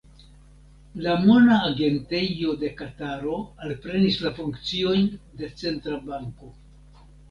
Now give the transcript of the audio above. La Mona Agentejo de Kataro alprenis la funkciojn de centra banko.